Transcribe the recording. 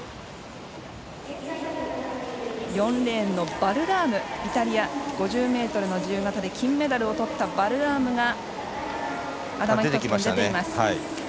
４レーンのバルラームイタリア、５０ｍの自由形で金メダルをとったバルラームが頭ひとつ抜けています。